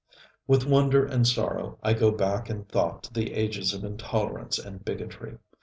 With wonder and sorrow I go back in thought to the ages of intolerance and bigotry.